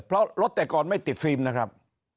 เพราะรถแต่ก่อนไม่ติดฟิล์มนะครับ